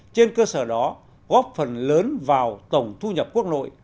trên cơ sở đó góp phần lớn vào tổng thu nhập quốc nội